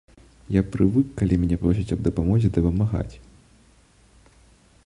Я прывык калі мяне просяць аб дапамозе, дапамагаць.